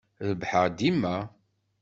Rebbḥeɣ dima.